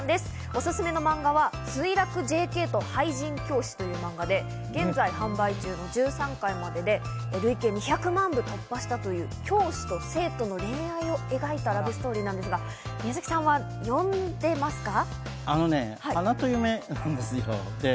おすすめの漫画は『墜落ＪＫと廃人教師』というマンガで、現在販売中の１３巻までで累計２００万部突破したという教師と生徒の恋愛を描いたラブストーリーなんですが、宮崎さんは読んでますか？